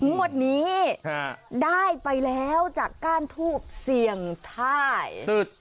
งวดนี้ได้ไปแล้วจากก้านทูบเสี่ยงทาย